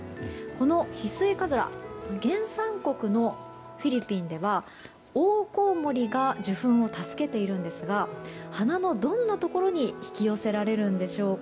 このヒスイカズラ原産国のフィリピンではオオコウモリが受粉を助けているんですが花のどんなところに引き寄せられるんでしょうか。